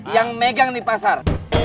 yang megang di pasar